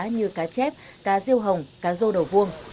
như cá chép cá riêu hồng cá dô đầu vuông